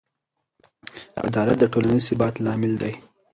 عدالت د ټولنیز ثبات لامل دی.